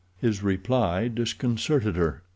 His reply disconcerted her.